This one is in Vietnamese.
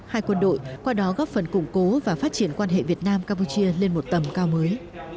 hai quân đội qua đó góp phần củng cố và phát triển quan hệ việt nam campuchia lên một tầm cao mới